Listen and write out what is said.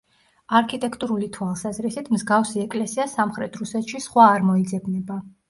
არქიტექტურული თვალსაზრისით მსგავსი ეკლესია სამხრეთ რუსეთში სხვა არ მოიძებნება.